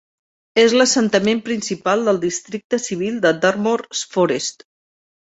És l'assentament principal del districte civil de Dartmoor Forest.